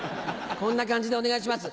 こんな感じでお願いします。